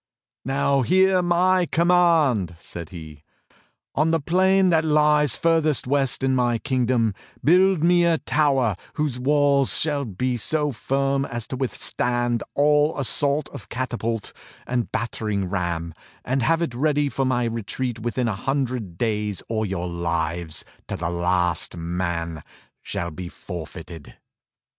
"Now hear my command," said he. "On the plain that lies furthest west in my kingdom build me a tower wdiose walls shall be so firm as to withstand all assault of catapult and battering ram; and have it ready for my retreat within a hundred days, or your lives, to the last man, shall be forfeited."